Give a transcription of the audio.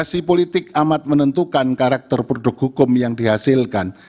komunikasi politik amat menentukan karakter produk hukum yang dihasilkan